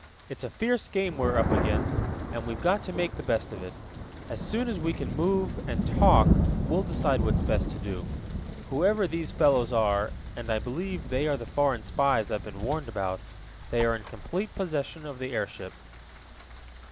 "It's a fierce game we're up against, and we've got to make the best of it. As soon as we can move, and talk, we'll decide what's best to do. Whoever these fellows are, and I believe they are the foreign spies I've been warned about, they are in complete possession of the airship."